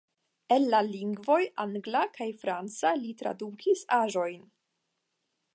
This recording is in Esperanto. El la lingvoj angla kaj franca li tradukis aĵojn.